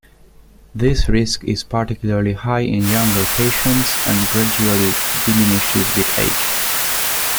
This risk is particularly high in younger patients and gradually diminishes with age.